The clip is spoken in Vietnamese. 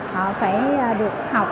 họ phải được học